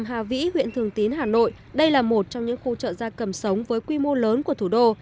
chợ gia cầm hà vĩ huyện thường tín hà nội đây là một trong những khu chợ gia cầm sống với quy mô lớn của thủ đô